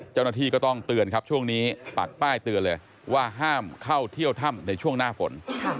เจ้าหน้าที่ก็ต้องเตือนครับช่วงนี้ปักป้ายเตือนเลยว่าห้ามเข้าเที่ยวถ้ำในช่วงหน้าฝน